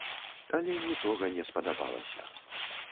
Але нічога не спадабалася.